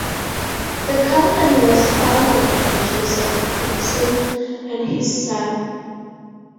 The company was founded by Joseph Dixon and his son.